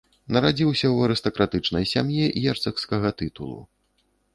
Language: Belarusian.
Нарадзіўся ў арыстакратычнай сям'і герцагскага тытулу.